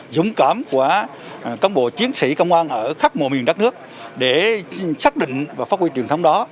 cảm ơn các bộ chiến sĩ công an ở khắp một miền đất nước để xác định và phát huy truyền thấm đó